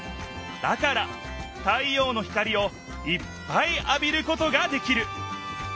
だから太ようの光をいっぱいあびることができる。